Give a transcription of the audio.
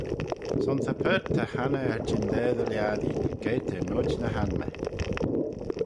Son ta paart ta hannah er jyndaa dy lhiattee geiyrt er noid ny hanmey.